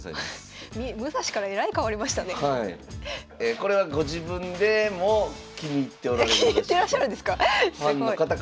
これはご自分でも気に入っておられるらしくて。